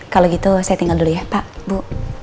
kalau gitu saya tinggal dulu ya pak bu